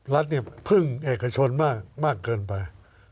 รัฐเนี่ยพึ่งเอกชนมากเกินไป